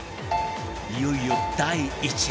いよいよ第１位